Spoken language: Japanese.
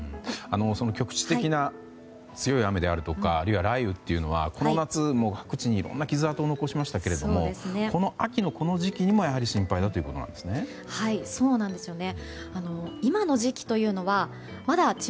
局地的な強い雨であるとかあるいは雷雨というのはこの夏も各地にいろんな傷跡を残しましたけれどもこの秋のこの時期にもやはり心配だということですね。